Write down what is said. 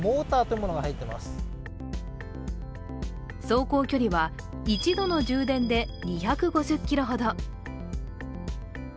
走行距離は、１度の充電で２５０ｋｍほど。